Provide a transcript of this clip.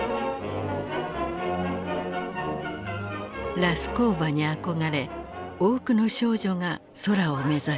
ラスコーヴァに憧れ多くの少女が空を目指した。